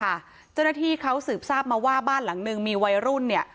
เจ้าหน้าที่เขาสืบทราบมาว่าบ้านหลังนึงมีวัยรุ่นเนี่ย